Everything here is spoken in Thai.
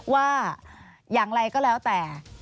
ว่าอย่างไรก็แล้วแต่